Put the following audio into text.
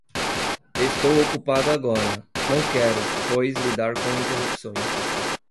Estou ocupada agora. Não quero, pois, lidar com interrupções.